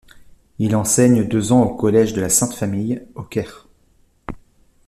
Il enseigne deux ans au Collège de la Sainte-Famille, au Caire.